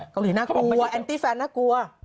เกาหลีน่ากลัวแอนตี้แฟนน่ากลัว